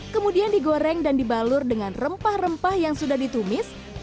kemudian digoreng dan dibalur dengan rempah rempah yang sudah ditumis